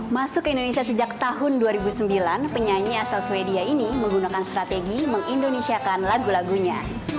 masuk ke indonesia sejak tahun dua ribu sembilan penyanyi asal swedia ini menggunakan strategi mengindonisiakan lagu lagunya